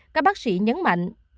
các bác sĩ nhấn mạnh